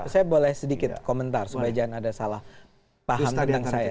saya boleh sedikit komentar supaya jangan ada salah paham tentang saya